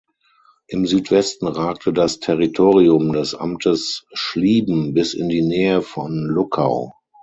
Im Südwesten ragte das Territorium des Amtes Schlieben bis in die Nähe von Luckau.